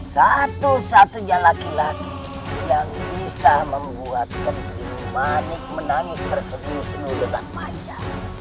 satu satunya laki laki yang bisa membuat kenteri manik menangis tersenyum senyum dengan manja